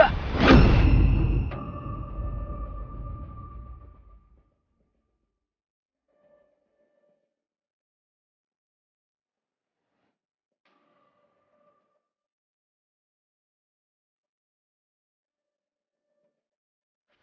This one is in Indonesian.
mereka pakai gunungnya kebanyakan banget